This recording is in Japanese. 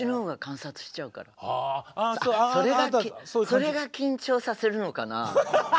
それが緊張させるのかな？